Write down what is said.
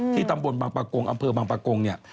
ตำบลบางประกงอำเภอบางปะกงเนี่ย